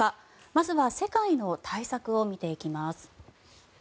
まずは世界の対策を見ていきます。